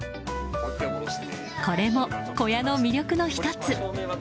これも小屋の魅力の１つ。